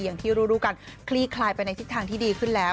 อย่างที่รู้กันคลี่คลายไปในทิศทางที่ดีขึ้นแล้ว